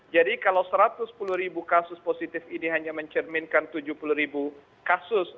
jadi kalau satu ratus sepuluh kasus positif ini hanya mencerminkan tujuh puluh kasus